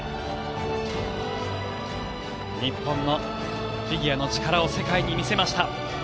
日本のフィギュアの力を世界に見せました。